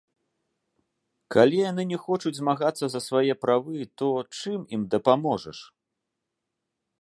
Калі яны не хочуць змагацца за свае правы, то чым ім дапаможаш?